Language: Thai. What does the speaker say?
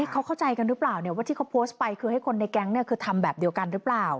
เขาเข้าใจกันหรือเปล่าว่าที่เขาโพสต์ไปคือให้คนในแก๊งคือทำแบบเดียวกันหรือเปล่า